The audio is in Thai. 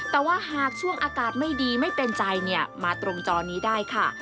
แต่ว่าหากช่วงอากาศไม่ดีไม่เป็นใจเนี่ยมาตรงจอนี้ได้ค่ะ